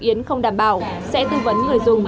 yến không đảm bảo sẽ tư vấn người dùng